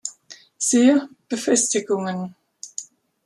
Siehe: Befestigungen.